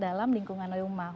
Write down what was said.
dalam lingkungan rumah